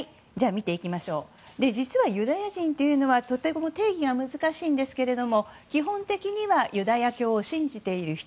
実は、ユダヤ人というのはとても定義が難しいんですが基本的にはユダヤ教を信じている人。